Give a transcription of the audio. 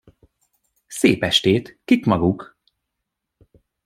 Szép estét, kik maguk?